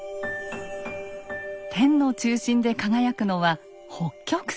天の中心で輝くのは北極星。